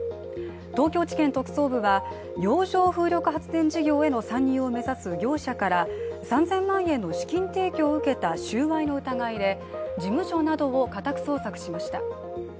東京地検特捜部は、洋上風力発電事業への参入を目指す業者から３０００万円の資金提供を受けた収賄の疑いで事務所などを家宅捜索しました。